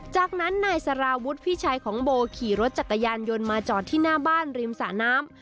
จากนั้นนายสารวุฒิพี่ชายของโบขี่รถจักรยานยนต์มาจอดที่หน้าบ้านริมสระน้ำ